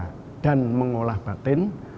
mengolah raga dan mengolah batin